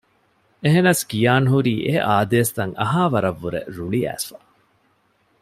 އެހެނަސް ކިޔާންހުރީ އެއާދޭސްތައް އަހާވަރަށްވުރެ ރުޅިއައިސްފަ